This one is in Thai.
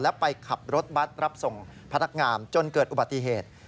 และไปขับรถบัตรรับส่งพนักงานจนเกิดอุบัติเหตุ